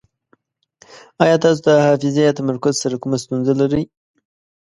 ایا تاسو د حافظې یا تمرکز سره کومه ستونزه لرئ؟